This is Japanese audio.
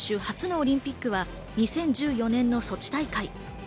初のオリンピックは２０１４年のソチ大会。